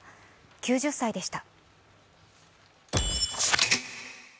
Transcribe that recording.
９０歳でした。